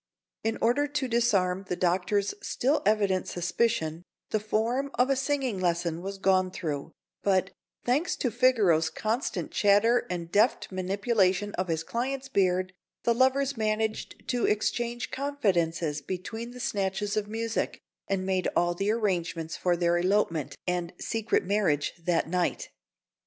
In order to disarm the Doctor's still evident suspicion, the form of a singing lesson was gone through; but, thanks to Figaro's constant chatter and deft manipulation of his client's beard, the lovers managed to exchange confidences between the snatches of music, and made all the arrangements for their elopement and secret marriage that night.